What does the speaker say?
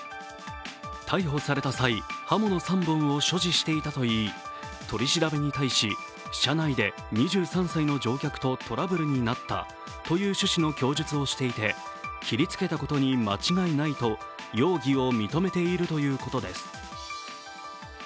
逮捕された際、刃物３本を所持していたといい取り調べに対し車内で２３歳の乗客とトラブルになったという趣旨の供述をしていて、切りつけたことに間違いないと容疑を認めているということです。